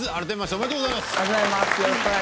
おめでとうございます